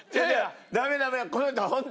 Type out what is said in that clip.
ダメダメ。